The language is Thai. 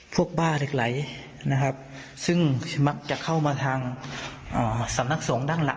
พวกบ้าเด็กไหลนะครับซึ่งมักจะเข้ามาทางอ่าสำนักศูนย์ด้านหลัก